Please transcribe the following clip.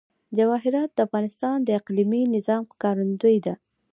جواهرات د افغانستان د اقلیمي نظام ښکارندوی ده.